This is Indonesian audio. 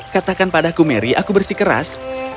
katakan padaku mary aku bersih keras